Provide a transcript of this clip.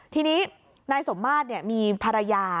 ทีนี้นายสมมาตรมีภรรยา